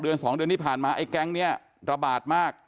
อันนี้ผ่านมาไอ้แก๊งเนี้ยระบาดมาก